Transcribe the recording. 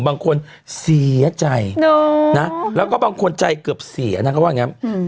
บางคนเสียใจนะแล้วก็บางคนใจเกือบเสียนะเขาว่าอย่างนั้น